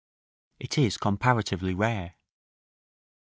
It is comparatively rare.